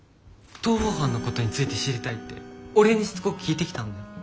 逃亡犯のことについて知りたいって俺にしつこく聞いてきたんだ。